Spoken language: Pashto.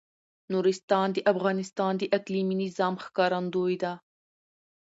نورستان د افغانستان د اقلیمي نظام ښکارندوی ده.